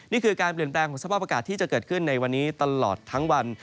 นี่คือการเปลี่ยนแปลงของสภาพอากาศที่จะเกิดขึ้นในวันนี้ตลอดทั้งวัน